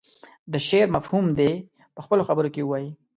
د شعر مفهوم دې په خپلو خبرو کې ووايي.